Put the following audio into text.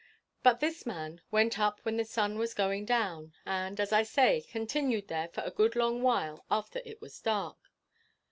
But this man went up when the sun was going down, and, as I say, continued there for a good long while after it was dark.